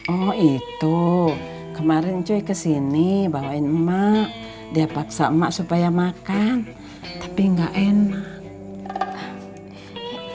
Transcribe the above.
oh itu kemarin cuy kesini bawain emak dia paksa emak supaya makan tapi nggak enak